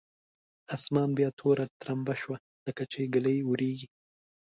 اسمان بیا توره ترامبه شو لکچې ږلۍ اورېږي.